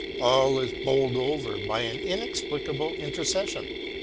All is bowled over by an inexplicable interces sion.